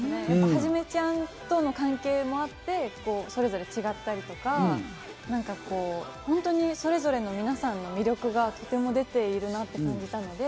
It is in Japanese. はじめちゃんとの関係もあって、それぞれ違ったりとか、本当にそれぞれの皆さんの魅力がとても出ているなって感じたので。